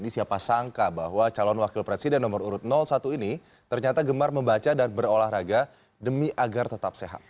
siapa sangka bahwa calon wakil presiden nomor urut satu ini ternyata gemar membaca dan berolahraga demi agar tetap sehat